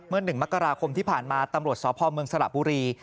เมื่อ๑มกราคมที่ผ่านมาตำรวจสภอมร์เมืองสละบุรี